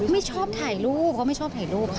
ไม่ชอบถ่ายรูปเขาไม่ชอบถ่ายรูปค่ะ